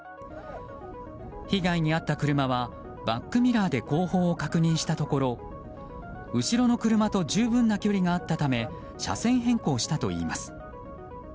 被害に遭った車はバックミラーで後方を確認したところ後ろの車と十分な距離があったため車線変更したといいます。